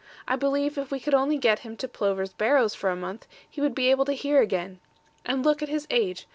I believe if we could only get him to Plover's Barrows for a month, he would be able to hear again. And look at his age!